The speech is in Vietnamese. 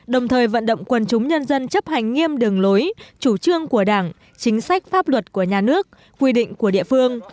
đồng thời vận động quần chúng nhân dân chấp hành nghiêm đường lối chủ trương của đảng chính sách pháp luật của nhà nước quy định của địa phương